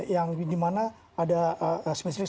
yang dimana ada spesifik